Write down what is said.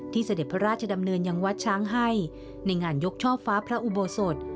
เสด็จพระราชดำเนินยังวัดช้างให้ในงานยกช่อฟ้าพระอุโบสถ